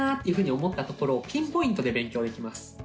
いうふうに思ったところをピンポイントで勉強できます。